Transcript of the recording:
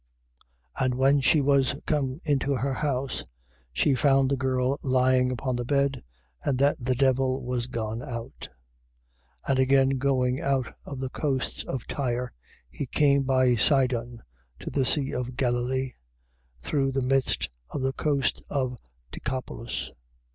7:30. And when she was come into her house, she found the girl lying upon the bed and that the devil was gone out. 7:31. And again going out of the coasts of Tyre, he came by Sidon to the sea of Galilee, through the midst the of the coasts of Decapolis.